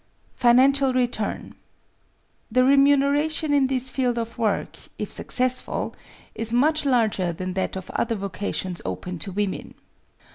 Financial return The remuneration in this field of work, if successful, is much larger than that of other vocations open to women.